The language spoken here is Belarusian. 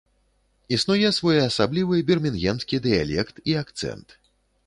Існуе своеасаблівы бірмінгемскі дыялект і акцэнт.